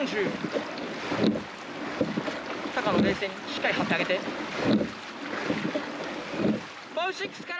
しっかり張ってあげて。